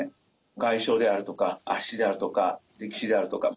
外傷であるとか圧死であるとか溺死であるとか。